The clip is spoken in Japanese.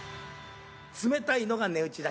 冷たいのが値打ちだ。